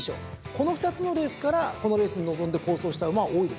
この２つのレースからこのレースに臨んで好走した馬は多いですよ。